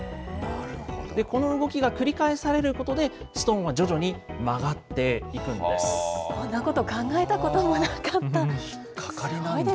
この動きが繰り返されることで、ストーンは徐々に曲がっていくんそんなこと考えたこともなかった。